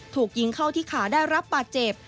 ถูกยิงเข้าที่ขาได้รับบาดเจ็บ